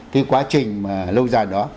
thì quá trình mà lâu dài đó